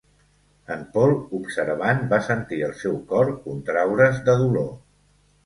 En Paul, observant, va sentir el seu cor contraure's de dolor.